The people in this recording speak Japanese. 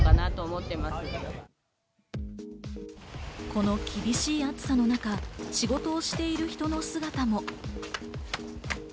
この厳しい暑さの中、仕事をしてる人の姿も。